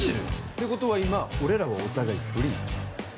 てことは今俺らはお互いフリー？